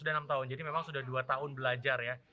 sudah enam tahun jadi memang sudah dua tahun belajar ya